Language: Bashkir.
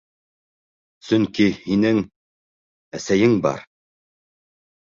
Сөнки һинең... әсәйең бар...